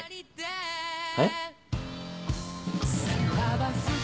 えっ？